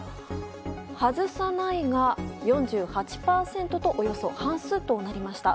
外さないが４８％とおよそ半数となりました。